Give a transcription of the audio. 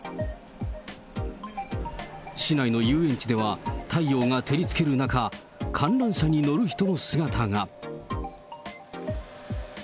市内の遊園地では太陽が照りつける中、観覧車に乗る人の姿が。